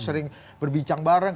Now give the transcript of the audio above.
sering berbincang bareng